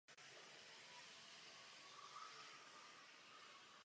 Podle vzpomínek jeho dcery však politické vedení země nechtělo přijmout jeho demisi.